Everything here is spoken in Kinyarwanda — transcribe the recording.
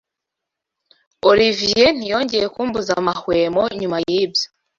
Olivier ntiyongeye kumbuza amahwemo nyuma yibyo.